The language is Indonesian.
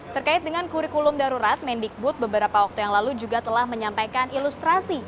terkait dengan kurikulum darurat mendikbud beberapa waktu yang lalu juga telah menyampaikan ilustrasi